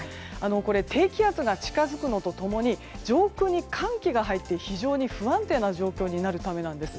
低気圧が近づくのと共に上空に寒気が入って非常に不安定な状況になるためなんです。